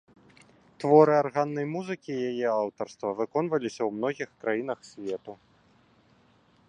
Творы арганнай музыкі яе аўтарства выконваліся ў многіх краінах свету.